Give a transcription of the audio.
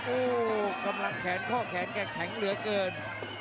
โอ้โหกำลังแขนข้อแขนแกแข็งเหลือเกิน